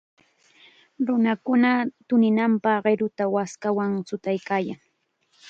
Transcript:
Nunakuna tuninanpaq qiruta waskawan chutaykaayan.